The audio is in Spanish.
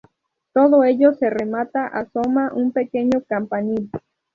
Todo ello se remata asoma un pequeño campanil.